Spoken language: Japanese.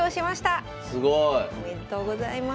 すごい。おめでとうございます！